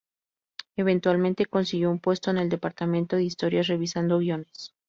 Eventualmente, consiguió un puesto en el departamento de historias, revisando guiones.